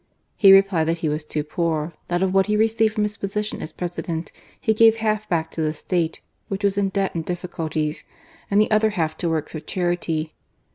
He replied that he was too poor; that of what he received from his position as President, he gave half back to the State, which was in debt and difficulties, and the other half to works of charity.